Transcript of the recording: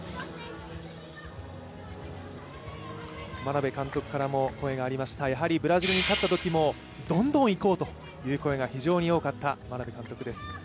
眞鍋監督からも声がありました、やはりブラジルに勝ったときも、どんどんいこうという声が非常に多かった眞鍋監督です。